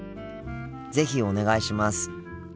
是非お願いします。